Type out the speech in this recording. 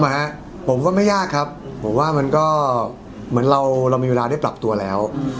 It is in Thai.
สำหรับผมอะผมก็ไม่ยากครับผมว่ามันก็เหมือนเรามีเวลาได้ปรับตัวแล้ว